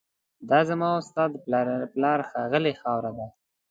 دا زما او ستا د پلار ښاغلې خاوره